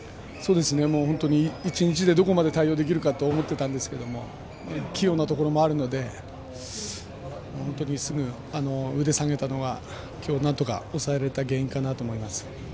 本当に１日でどこまで対応できるかと思っていたんですけども器用なところもあるので本当にすぐに腕を下げたのがなんとか抑えられた原因だと思います。